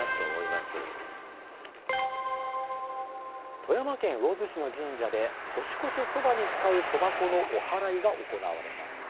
富山県魚津市の神社で、年越しそばに使うそば粉のおはらいが行われました。